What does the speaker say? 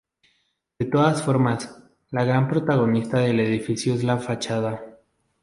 De todas formas, la gran protagonista del edificio es la fachada.